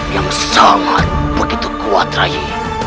yang sangat begitu kuat rayu